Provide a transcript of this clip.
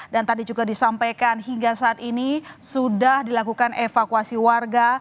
dan tadi juga disampaikan hingga saat ini sudah dilakukan evakuasi warga